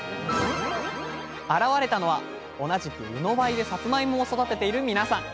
現れたのは同じくうのばいでさつまいもを育てているみなさん。